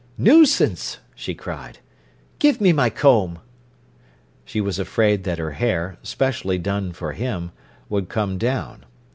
"Nuisance!" she cried. "Give me my comb!" She was afraid that her hair, specially done for him, would come down.